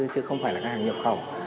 chứ không phải là các hàng nhập khẩu